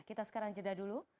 kita sekarang jeda dulu